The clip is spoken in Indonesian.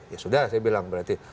ya sudah saya bilang berarti